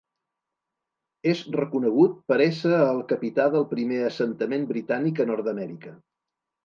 És reconegut per ésser el capità del primer assentament britànic a Nord-amèrica.